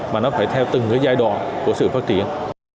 mà nó phải theo từng cái giai đoạn của sự phát triển